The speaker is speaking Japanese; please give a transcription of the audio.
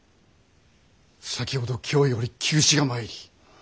先ほど京より急使が参り